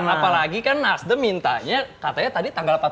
apalagi kan nasdem mintanya katanya tadi tanggal empat belas